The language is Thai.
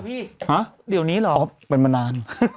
เดี๋ยวนี้เหรอพี่ฮะเดี๋ยวนี้เหรออ๋อเป็นมานาน